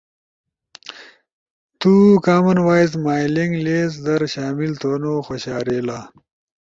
تو کامن وائس مائلنگ لیسٹ در شامل تھونو خوشارئیلا؟